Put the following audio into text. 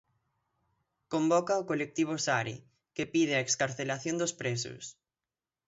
Convoca o colectivo Sare, que pide a excarceración dos presos.